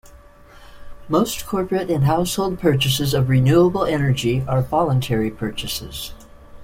Most corporate and household purchases of renewable energy are voluntary purchases.